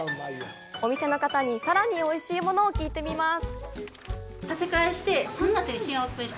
お店の方に、さらにおいしいものを聞いてみます。